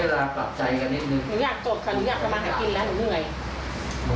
หนูอยากจบค่ะหนูอยากกลับมาหากินแล้วหนูเหนื่อย